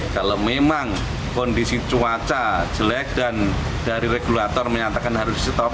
kalau memang kondisi cuaca jelek dan dari regulator menyatakan harus di stop